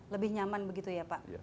lebih nyaman begitu ya pak